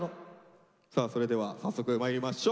さあそれでは早速まいりましょう。